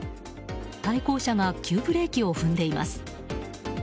対向車が急ブレーキを踏んでいます。